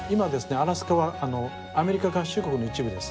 アラスカはアメリカ合衆国の一部です。